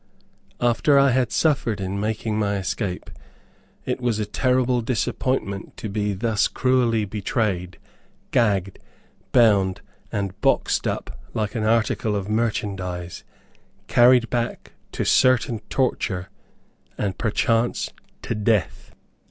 After all I had suffered in making my escape, it was a terrible disappointment to be thus cruelly betrayed, gagged, bound, and boxed up like an article of merchandise, carried back to certain torture, and perchance to death.